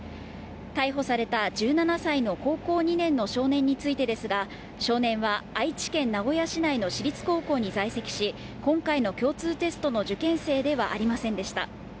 逮捕された１７歳の高校２年の少年についてですが、少年は愛知県名古屋市内の私立高校に在籍し、今回の共通テストの受験生ではありませんでした。